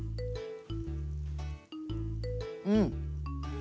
うん。